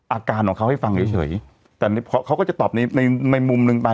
อาการของเขาให้ฟังเฉยแต่เขาก็จะตอบในในมุมหนึ่งไป